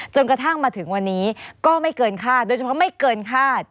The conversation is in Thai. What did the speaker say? กระทั่งมาถึงวันนี้ก็ไม่เกินคาดโดยเฉพาะไม่เกินคาด